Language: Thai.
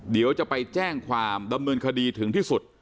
เดี๋ยวจะไปแจ้งความดำเนินคดีถึงที่สุด